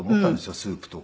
スープとか。